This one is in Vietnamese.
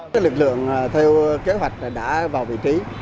cái lực lượng theo kế hoạch đã vào vị trí